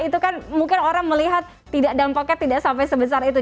itu kan mungkin orang melihat dampaknya tidak sampai sebesar itu